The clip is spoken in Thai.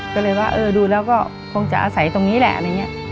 ก็เลยว่าดูแล้วก็คงจะใส่ตรงนี้แหละ